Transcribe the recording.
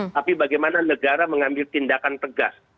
tapi bagaimana negara mengambil tindakan tegas